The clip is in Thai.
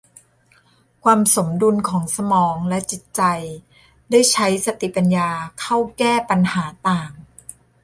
ความสมดุลของสมองและจิตใจได้ใช้สติปัญญาเข้าแก้ปัญหาต่าง